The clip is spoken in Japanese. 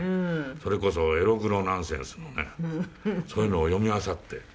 それこそエログロナンセンスのねそういうのを読みあさって。